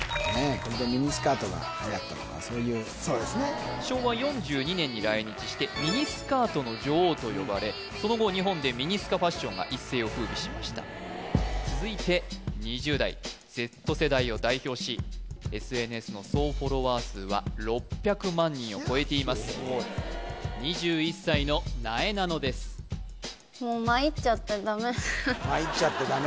これでミニスカートがはやったとかそういう昭和４２年に来日してミニスカートの女王と呼ばれその後日本でミニスカファッションが一世を風靡しました続いて２０代Ｚ世代を代表しＳＮＳの総フォロワー数は６００万人を超えています２１歳のなえなのですまいっちゃってダメ？